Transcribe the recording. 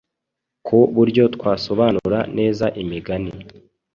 ku buryo twasobanura neza Imigani